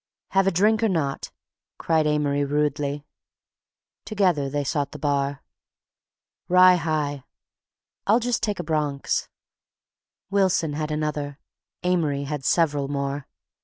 "Have a drink or not?" cried Amory rudely. Together they sought the bar. "Rye high." "I'll just take a Bronx." Wilson had another; Amory had several more.